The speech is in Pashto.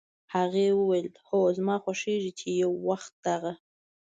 هغې وویل: "هو، زما خوښېږي چې یو وخت دغه